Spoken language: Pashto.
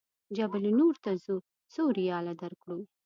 جبل نور ته ځو څو ریاله درکړو.